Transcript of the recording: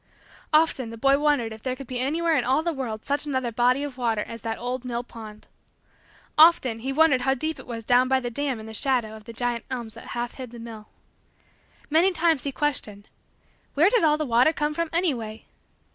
Often, the boy wondered if there could be anywhere in all the world such another body of water as that old mill pond. Often, he wondered how deep it was down by the dam in the shadow of the giant elms that half hid the mill. Many times, he questioned: "Where did all the water come from anyway?"